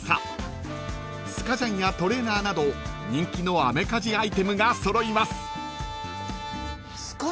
［スカジャンやトレーナーなど人気のアメカジアイテムが揃います］